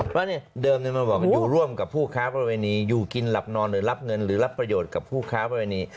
เพราะเดิมมันบอกอยู่ร่วมกับผู้ค้าประเวณีอยู่กินหลับนอนหรือรับเงินหรือรับประโยชน์กับผู้ค้าประเวณี